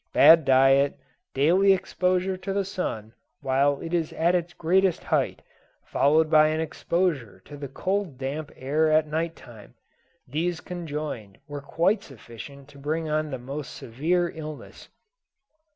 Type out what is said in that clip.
Bad diet, daily exposure to the sun while it is at its greatest height, followed by an exposure to the cold damp air at night time these conjoined were quite sufficient to bring on the most severe illness.